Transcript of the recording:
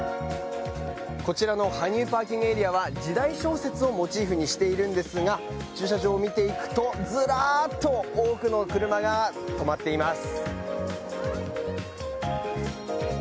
こちらの羽生ＰＡは時代小説をモチーフにしているんですが駐車場を見ていくと、ずらっと多くの車が止まっています。